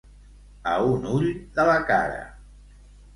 A un ull de la cara.